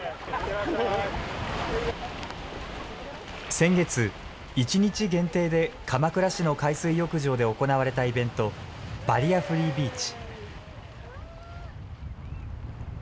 先月、一日限定で、鎌倉市の海水浴場で行われたイベント、バリアフリービーチ。